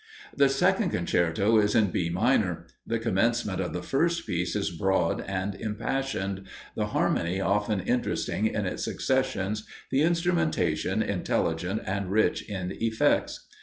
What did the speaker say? The second concerto is in B minor. The commencement of the first piece is broad and impassioned; the harmony often interesting in its successions; the instrumentation intelligent and rich in effects.